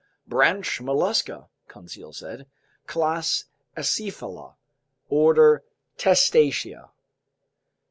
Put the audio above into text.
"Branch Mollusca," Conseil said, "class Acephala, order Testacea."